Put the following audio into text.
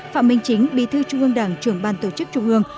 phạm minh chính bì thư trung ương đảng trường ban tổ chức trung ương